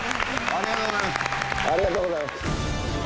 ありがとうございます。